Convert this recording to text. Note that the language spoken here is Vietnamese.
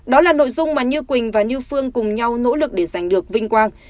đó là nội dung mà như quỳnh và như phương cùng nhau nỗ lực để giành được vinh quang